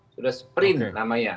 sudah sprint namanya